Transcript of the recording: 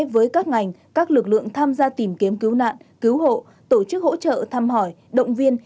với các ngành các lực lượng tham gia tìm kiếm cứu nạn cứu hộ tổ chức hỗ trợ thăm hỏi động viên